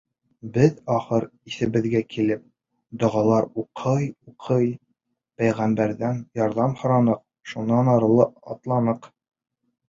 Беҙ, ахыр иҫебеҙгә килеп, доғалар уҡый-уҡый, пәйғәмбәрҙән ярҙам һораныҡ, шунан ары атланыҡ.